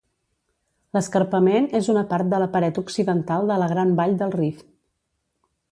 L'escarpament és una part de la paret occidental de la Gran Vall del Rift.